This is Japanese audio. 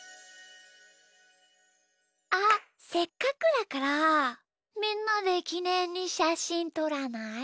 あっせっかくだからみんなできねんにしゃしんとらない？